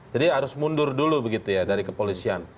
jadi harus mundur dulu begitu ya dari kepolisian